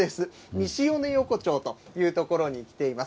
みしおね横丁という所に来ています。